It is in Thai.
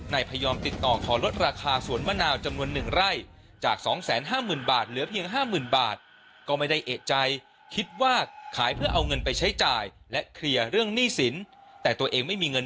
ในพยอมติดต่อทอลดราคาสวนมะนาวจำนวนหนึ่งไร่